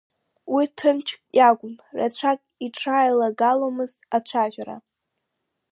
Уи ҭынчк иакәын, рацәак иҽалаигаломызт ацәажәара.